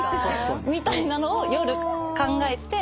みたいなのを夜考えてやるのが。